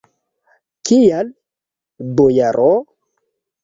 Kial, bojaro?